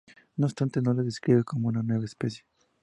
No obstante, no lo describe como una nueva especie.